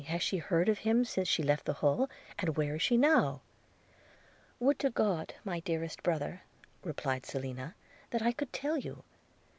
has she heard of him since she left the Hall? – and where is she now?' 'Would to God, my dearest brother,' replied Selina, 'that I could tell you!